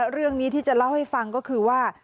เรื่องนี้ที่จะเล่าให้ฟังก็คือว่า